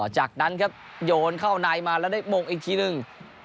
จากนั้นครับโยนเข้าในมาแล้วได้มงอีกทีหนึ่ง